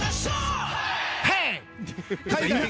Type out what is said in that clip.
ヘイ！